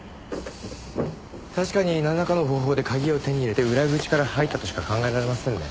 確かになんらかの方法で鍵を手に入れて裏口から入ったとしか考えられませんね。